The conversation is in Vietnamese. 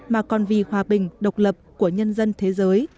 mà còn vì hòa bình độc lập của nhân dân thế giới